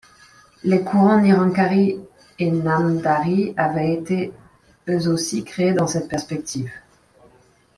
Les courants Nirankari et Namdhari avaient été eux aussi créés dans cette perspective.